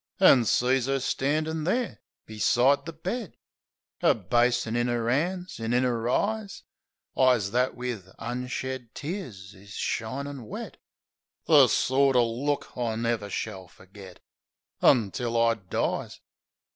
An' sees 'er standin' there beside the bed; A basin in 'er 'ands ; an' in 'er eyes — (Eyes that wiv unshed tears is shinin' wet) — The sorter look I never shall ferget, Until I dies.